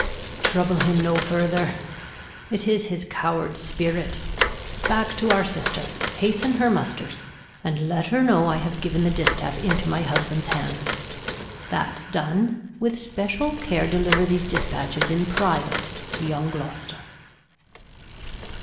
Trouble him no farther, It is his coward Spirit ; back to our Sister, Hasten her Musters, and let her know I have giv'n the Distaff into my Husband's Hands. That done, with special Care deliver these Dispatches In private to young Gloster.